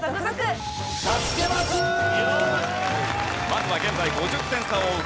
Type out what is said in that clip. まずは現在５０点差を追う